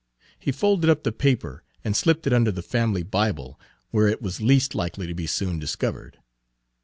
He folded up the paper and slipped it under the family Bible, where it was least likely to be soon discovered.